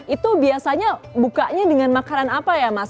itu biasanya bukanya dengan makanan apa ya mas